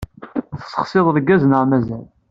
Tessexsiḍ lgaz neɣ mazal?